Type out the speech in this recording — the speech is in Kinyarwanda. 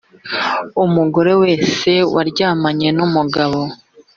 umugore wese waryamanye n umugabo